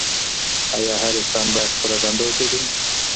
آیا هر انسان باید خپله دنده وپېژني؟